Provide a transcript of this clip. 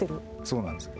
そうなんです。